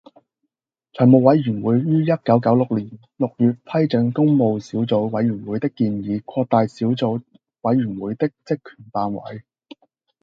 財務委員會於一九九六年六月批准工務小組委員會的建議，擴大小組委員會的職權範圍